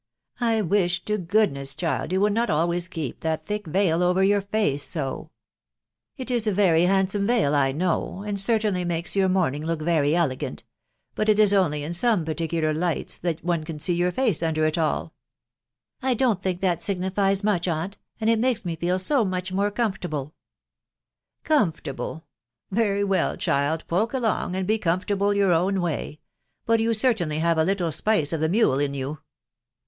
I wish to goodness, child, you would not al ways keep that thick veil over your face so. ... It is a very handsome veil I know, and certainly make* ^wax ^Mtfsswrc&w^ 164 THE WIDOW BARN A B?. look very elegant ; but it is only in some particular lights that one can see your face under it at all." " I don't think that signifies much, aunt, and it makes me feel so much more comfortable." " Comfortable !.... very well, child, poke along, and be comfortable your own way .... but you certainly have a little spice of the mule in you."